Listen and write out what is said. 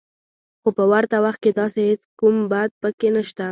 خو په ورته وخت کې داسې هېڅ کوم بد پکې نشته